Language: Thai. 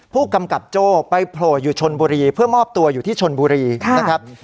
ผู้กำกับโจ้ไปโผล่อยู่ชนบุรีเพื่อมอบตัวอยู่ที่ชนบุรีนะครับ